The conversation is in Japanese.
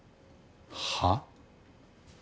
はあ？